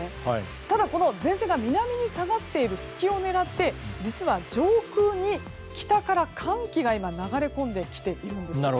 ただ、前線が南に下がっているすきを狙って実は、上空に北から寒気が流れ込んできているんです。